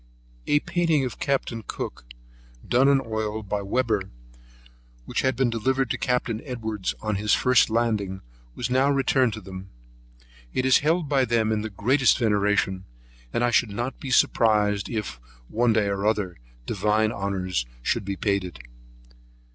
A painting of Capt. Cook, done in oil by Webber, which had been delivered to Capt. Edwards on his first landing, was now returned to them. It is held by them in the greatest veneration; and I should not be surprised if, one day or other, divine honours should be paid to it.